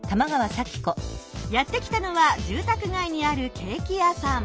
やって来たのは住たくがいにあるケーキ屋さん。